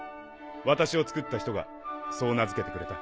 私を作った人がそう名づけてくれた。